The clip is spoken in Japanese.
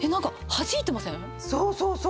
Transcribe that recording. そうそうそう。